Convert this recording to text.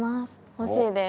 欲しいです。